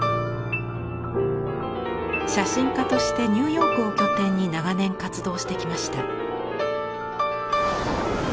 写真家としてニューヨークを拠点に長年活動してきました。